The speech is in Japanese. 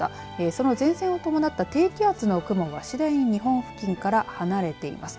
その前線を伴った低気圧の雲が次第に日本付近から離れています。